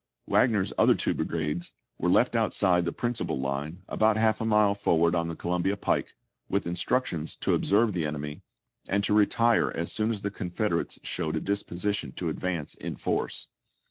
Wagner's other two brigades were left outside the principal line, about half a mile forward on the Columbia pike, with instructions to observe the enemy, and to retire as soon as the Confederates showed a disposition to advance in force.